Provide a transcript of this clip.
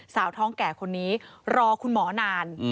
สาวท้องแก่คนนี้รอคุณหมอนาน